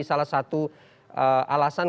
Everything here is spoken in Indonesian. salah satu alasan